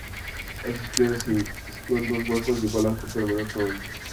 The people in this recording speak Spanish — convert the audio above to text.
A su izquierda se sitúan dos huecos de igual arco pero menor tamaño.